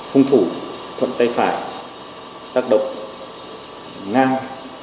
hương thủ thuận tay phải tác động ngang